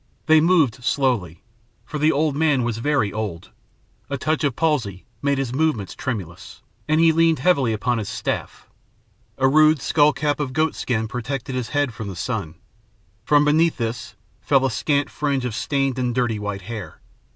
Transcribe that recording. They moved slowly, for the old man was very old, a touch of palsy made his movements tremulous, and he leaned heavily upon his staff. A rude skull cap of goat skin protected his head from the sun. From beneath this fell a scant fringe of stained and dirty white hair.